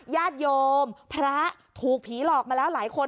ญาติโยมพระถูกผีหลอกมาแล้วหลายคน